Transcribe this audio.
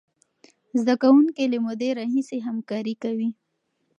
زده کوونکي له مودې راهیسې همکاري کوي.